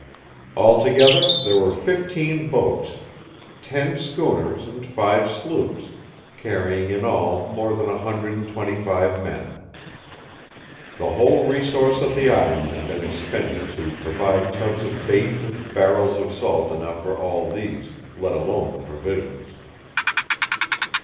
Altogether there were fifteen boats, ten schooners, and five sloops, carrying in all more than a hundred and twenty five men. The whole resource of the island had been expended to provide tubs of bait and barrels of salt enough for all these, let alone the provisions.